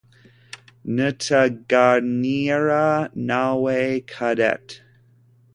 ntaganira nawe Cadette.